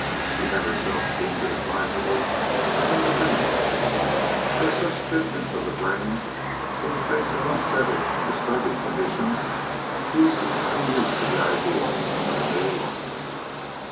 She had herself deemed it advisable for him to leave. By such figments of the brain, in the face of unsettled and disturbing conditions, he was becoming used to the idea of a new alliance.